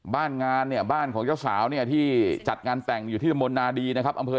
บ้านงานเนี่ยบ้านของเจ้าสาวเนี่ยที่จัดงานแต่งอยู่ที่ตำบลนาดีนะครับ